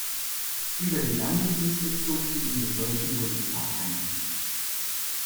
Über die Landesliste zog sie in den Deutschen Bundestag ein.